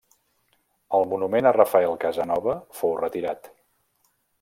El monument a Rafael Casanova fou retirat.